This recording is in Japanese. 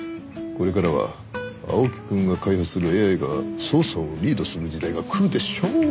「これからは青木くんが開発するＡＩが捜査をリードする時代が来るでしょう！」